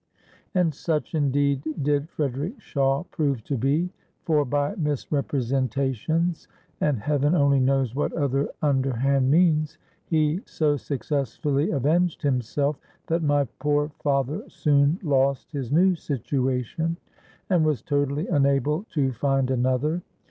And such indeed did Frederick Shawe prove to be; for by misrepresentations and heaven only knows what other underhand means, he so successfully avenged himself that my poor father soon lost his new situation, and was totally unable to find another.